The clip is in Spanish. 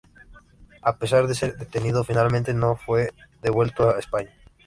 A pesar de ser detenido, finalmente no fue devuelto a España.